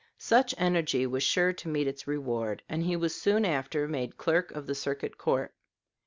Such energy was sure to meet its reward, and he was soon after made clerk of the Circuit Court.